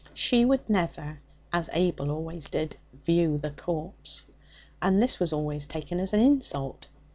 She would never, as Abel always did, 'view the corpse,' and this was always taken as an insult.